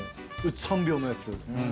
３秒のやつ。